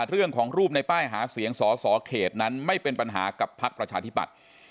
เรื่องของรูปในป้ายหาเสียงสอส่อเขตนั้นไม่เป็นปัญหากับพักรชาธิบัตร